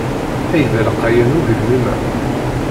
Ay d alqayan ugelmim-a!